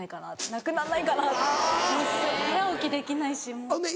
なくなんないかな」って早起きできないし。